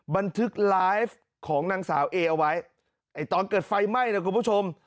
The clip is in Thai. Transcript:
บันทึกไลฟ์ของนางสาวเอเอาไว้ไอ้ตอนเกิดไฟไหม้นะคุณผู้ชม